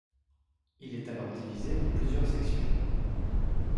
Il est alors divisé en plusieurs sections.